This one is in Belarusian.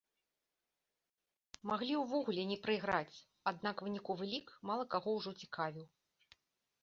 Маглі ўвогуле не прайграць, аднак выніковы лік, мала каго ўжо цікавіў.